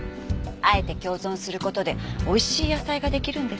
あえて共存する事でおいしい野菜ができるんです。